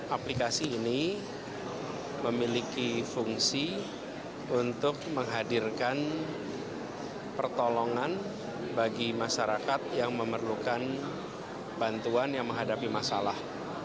aplikasi ini memiliki fungsi untuk menghadirkan pertolongan bagi masyarakat yang memerlukan bantuan yang menghadapi masalah